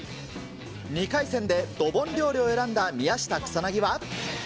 ２回戦でドボン料理を選んだ宮下草薙は。